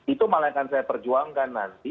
itu malah akan saya perjuangkan nanti